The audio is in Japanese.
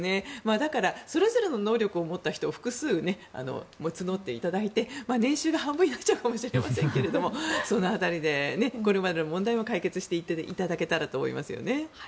だからそれぞれの能力を持った人複数募っていただいて年収が半分になっちゃうかもしれませんがその辺りでこれまでの問題も解決していっていただけたらと思いますよね。